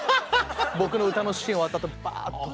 僕の歌のシーン終わったあとバーッと。